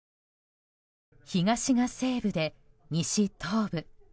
「東が西武で西東武」。